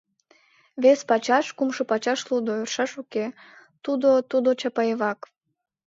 Вес пачаш, кумшо пачаш лудо — ӧршаш уке: тудо, тудо Чапаевак...